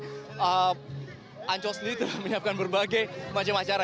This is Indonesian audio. jadi ancol sendiri telah menyiapkan berbagai macam acara